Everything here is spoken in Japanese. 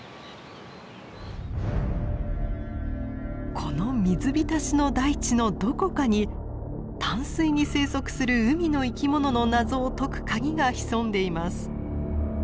この水浸しの大地のどこかに淡水に生息する海の生き物の謎を解く鍵が潜んでいます。